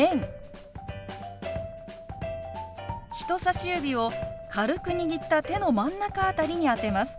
人さし指を軽く握った手の真ん中辺りに当てます。